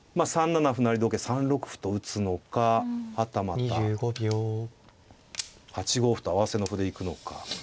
３六歩と打つのかはたまた８五歩と合わせの歩で行くのか。